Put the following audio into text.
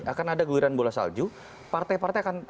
akan ada geliran bola salju partai partai akan